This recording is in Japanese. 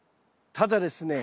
ただですね